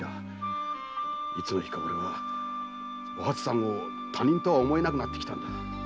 いつの日か俺はお初さんを他人とは思えなくなってきたんだ。